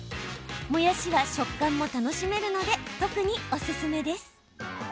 もやしは食感も楽しめるので特におすすめです。